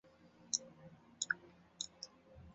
表皮衍生物包括腺体和表皮外骨骼。